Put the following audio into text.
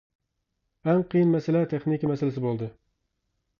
ئەڭ قىيىن مەسىلە تېخنىكا مەسىلىسى بولدى.